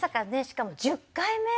しかも１０回目。